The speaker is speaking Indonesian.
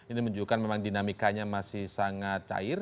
ini menunjukkan memang dinamikanya masih sangat cair